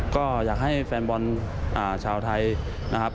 ก็อยากให้แฟนบอลชาวไทยนะครับ